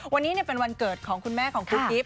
วันนี้เป็นวันเกิดของคุณแม่ของคุณกิ๊บ